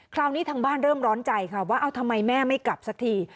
คราวนี้ทางบ้านเริ่มร้อนใจค่ะว่าเอาทำไมแม่ไม่กลับสักที